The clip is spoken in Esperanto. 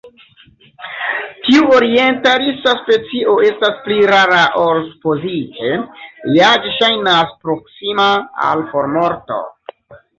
Tiu orientalisa specio estas pli rara ol supozite; ja ĝi ŝajnas proksima al formorto.